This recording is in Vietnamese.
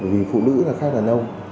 vì phụ nữ là khác là nông